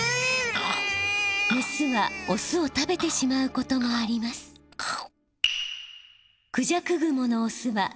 メスはオスを食べてしまうこともありますせんぱい。